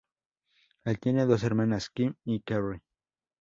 Él tiene dos hermanas, Kim y Kerri.